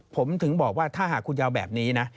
ผมถึงบอกว่าถ้าหากคุณจะเอาแบบนี้นะ